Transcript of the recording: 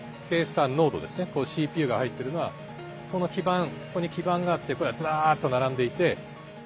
こういうＣＰＵが入っているのはこの基板ここに基板があってこれがずらっと並んでいて。